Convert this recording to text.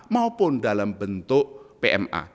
maupun dalam bentuk pma